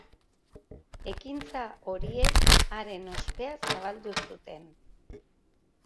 Ekintza horiek haren ospea zabaldu zuten.